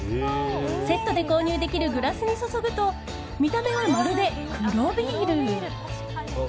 セットで購入できるグラスに注ぐと見た目は、まるで黒ビール。